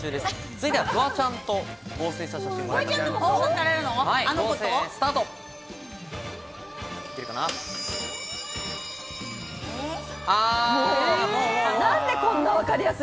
続いてはフワちゃんと合成した写真をご覧いただきます。